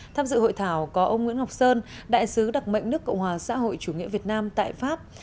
tham dự hội thảo có ông nguyễn ngọc sơn đại sứ đặc mệnh nước cộng hòa xã hội chủ nghĩa việt nam tại pháp